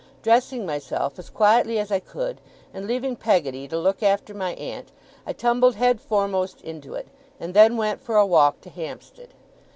Dressing myself as quietly as I could, and leaving Peggotty to look after my aunt, I tumbled head foremost into it, and then went for a walk to Hampstead.